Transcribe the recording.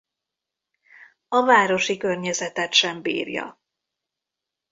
A városi környezetet sem bírja.